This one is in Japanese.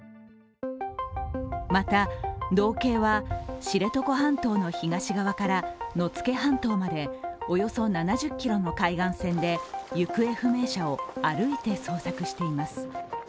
また、道警は、知床半島の東側から野付半島までおよそ７０ｋｍの海岸線で行方不明者を歩いて捜索しています。